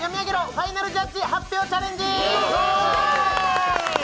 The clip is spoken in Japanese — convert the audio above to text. ファイナルジャッジ発表チャレンジ」。